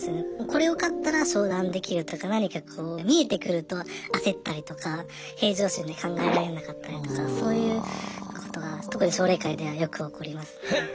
これを勝ったら昇段できるとか何かこう見えてくると焦ったりとか平常心で考えられなかったりとかそういうことが特に奨励会ではよく起こりますね。